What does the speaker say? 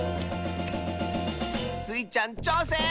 ⁉スイちゃんちょうせん！